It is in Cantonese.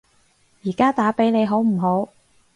而家打畀你好唔好？